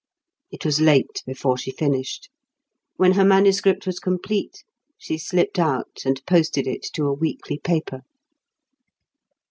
It was late before she finished. When her manuscript was complete, she slipped out and posted it to a weekly paper.